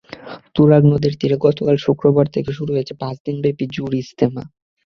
তুরাগ নদের তীরে গতকাল শুক্রবার থেকে শুরু হয়েছে পাঁচ দিনব্যাপী জোড় ইজতেমা।